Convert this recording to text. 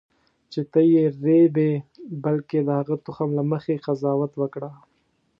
چې ته یې رېبې بلکې د هغه تخم له مخې قضاوت وکړه.